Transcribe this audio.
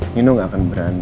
nino gak akan berani